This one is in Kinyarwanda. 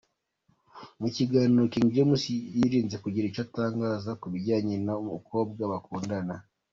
Mu kiganiro King James yirinze kugira icyo atangaza kubijyanye n’ umukobwa bakundana.